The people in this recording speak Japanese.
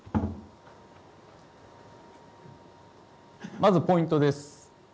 まずポイントです。